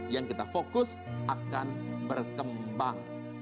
yang kita fokus akan berkembang